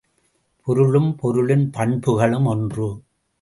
பொருளும் பொருளின் பண்புகளும் ஒன்று.